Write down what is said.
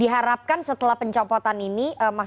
ini masih menjadi pertanyaan